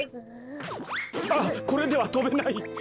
あっこれではとべない。